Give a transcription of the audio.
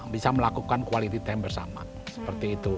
bisa melakukan quality time bersama seperti itu